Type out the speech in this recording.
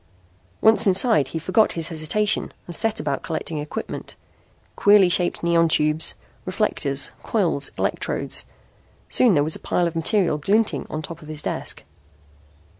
Once inside he forgot his hesitation and set about collecting equipment queerly shaped neon tubes, reflectors, coils, electrodes. Soon there was a pile of material glinting on top of his desk.